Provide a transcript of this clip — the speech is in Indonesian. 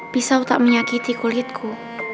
pisau tak menyakiti kulitku